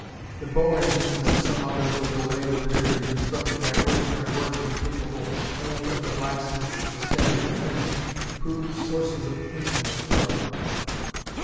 The Bow engines and some others of the later period, constructed by ordinary workmen capable only of the "blacksmith's" standard of finish, proved sources of infinite trouble.